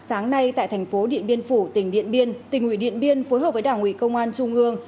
sáng nay tại thành phố điện biên phủ tỉnh điện biên tỉnh ủy điện biên phối hợp với đảng ủy công an trung ương